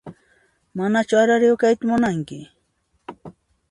Manachu arariwa kayta munanki?